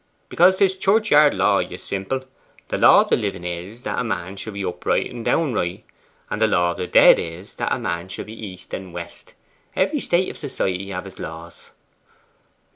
'Because 'tis churchyard law, you simple. The law of the living is, that a man shall be upright and down right, and the law of the dead is, that a man shall be east and west. Every state of society have its laws.